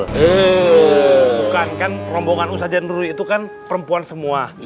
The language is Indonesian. bukan kan rombongan ustazah nurul itu kan perempuan semua